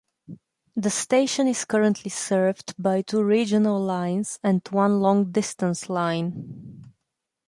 The station is currently served by two regional lines and one long-distance line.